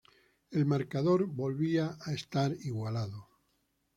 El marcador volvía a estar igualado.